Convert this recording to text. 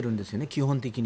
基本的に。